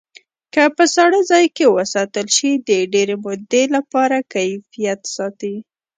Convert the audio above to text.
که په ساړه ځای کې وساتل شي د ډېرې مودې لپاره کیفیت ساتي.